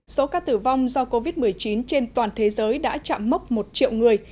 số ca tử vong do covid một mươi chín trên toàn thế giới đã chạm mốc một triệu người